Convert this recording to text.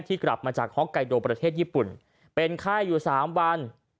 กลับมาจากฮอกไกโดประเทศญี่ปุ่นเป็นไข้อยู่๓วัน